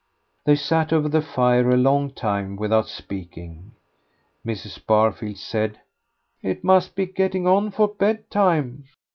They sat over the fire a long time without speaking. Mrs. Barfield said "It must be getting on for bedtime."